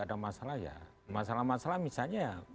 ada masalah ya masalah masalah misalnya